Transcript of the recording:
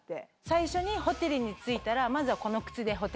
最初にホテルに着いたらまずは。